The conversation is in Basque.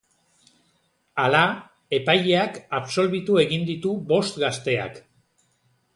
Hala, epaileak absolbitu egiten ditu bost gazteak.